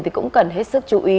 thì cũng cần hết sức chú ý